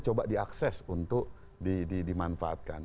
coba diakses untuk dimanfaatkan